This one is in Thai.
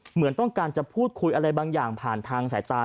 เหมือนต้องการจะพูดคุยอะไรบางอย่างผ่านทางสายตา